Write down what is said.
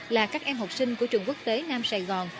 là các em học sinh của trường quốc tế nam sài gòn